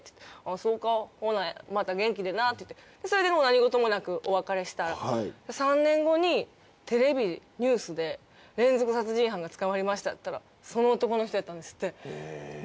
「そうかほなまた元気でな」って言ってそれで何事もなくお別れしたら３年後にテレビニュースで連続殺人犯が捕まりましたって言ったらその男の人やったんですって。